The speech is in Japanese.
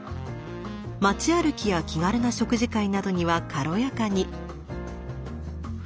街歩きや気軽な食事会などには軽やかに。